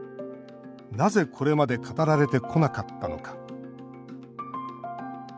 なぜ、これまで語られてこなかったのか。